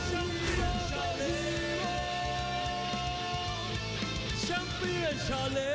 สวัสดีครับทุกคน